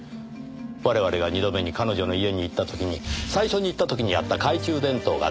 我々が二度目に彼女の家に行った時に最初に行った時にあった懐中電灯がなくなっていました。